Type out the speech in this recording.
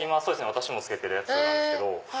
私も着けてるやつなんですけど。